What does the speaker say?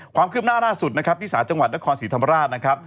ความคืบหน้าล่าสุดนะครับที่ศาลจังหวัดนครศรีธรรมราชนะครับ